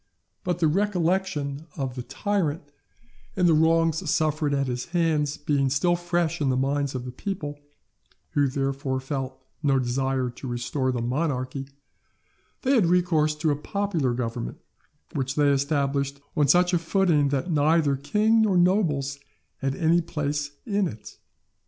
But the recollection of the tyrant and of the wrongs suffered at his hands being still fresh in the minds of the people, who therefore felt no desire to restore the monarchy, they had recourse to a popular government, which they established on such a footing that neither king nor nobles had any place in it.